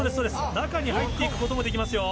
中に入って行くこともできますよ。